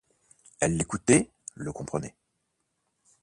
Elle l'écoutait, le comprenait.